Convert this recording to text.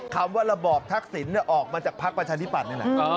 คำว่าระบอบทักษิณออกมาจากภักดิ์ประชาธิบัตย์นี่แหละ